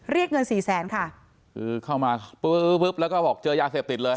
เรียกเงินสี่แสนค่ะคือเข้ามาปึ๊บปุ๊บแล้วก็บอกเจอยาเสพติดเลย